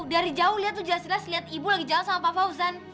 dari jauh lihat tuh jelas jelas lihat ibu lagi jalan sama pak fauzan